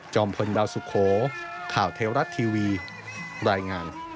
พลดาวสุโขข่าวเทวรัฐทีวีรายงาน